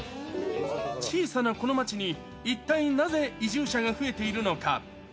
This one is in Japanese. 小さなこの町に、一体なぜ移住者が増えているのか。